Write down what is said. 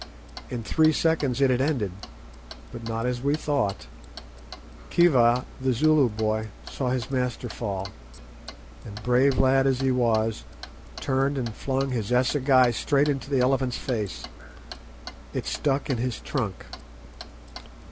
In three seconds it had ended, but not as we thought. Khiva, the Zulu boy, saw his master fall, and brave lad as he was, turned and flung his assegai straight into the elephant's face. It stuck in his trunk.